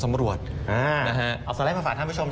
มาหลายสัปดาห์นะ